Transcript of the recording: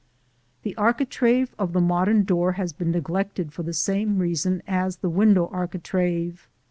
The architrave of the modern door has been neglected for the same reasons as the window architrave.